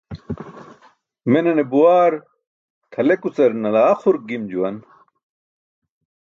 Menane buwaar tʰalekucar nalaa xurk gim juwan.